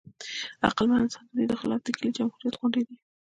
عقلمن انسان د دوی خلاف د کیلې جمهوریت غوندې دی.